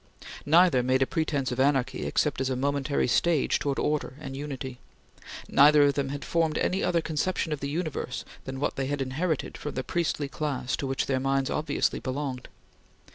Neither made a pretence of anarchy except as a momentary stage towards order and unity. Neither of them had formed any other conception of the universe than what they had inherited from the priestly class to which their minds obviously belonged.